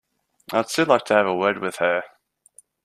I'd still like to have a word with her.